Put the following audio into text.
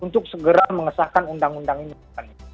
untuk segera mengesahkan undang undang ini